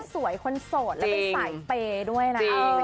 สวยคนสดแล้วไปสายเปย์ด้วยนะ